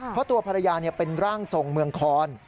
เพราะตัวภรรยาเป็นร่างทรงเมืองคอน